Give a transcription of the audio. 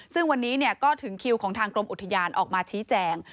ซึ่งวันนี้ก็ถึงคิวของทางกรมอุทยานออกมาชี้แจง